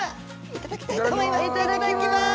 いただきます。